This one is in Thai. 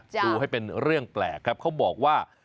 ดูให้เป็นเรื่องแปลกครับเขาบอกว่า